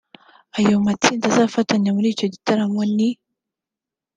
ayo matsinda bazafatanya muri icyo gitaramo ni